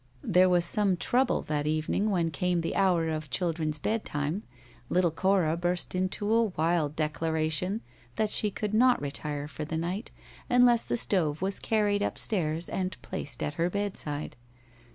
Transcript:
There was some trouble that evening when came the hour of children's bedtime. Little Cora burst into a wild declaration that she could not retire for the night unless the stove was carried up stairs and placed, at her bedside.